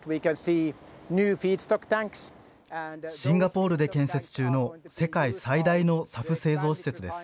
シンガポールで建設中の世界最大のＳＡＦ製造施設です。